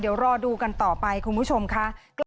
เดี๋ยวรอดูกันต่อไปคุณผู้ชมค่ะ